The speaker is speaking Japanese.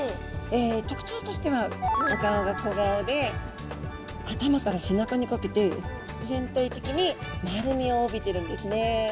え特徴としてはお顔が小顔で頭から背中にかけて全体的に丸みを帯びてるんですね。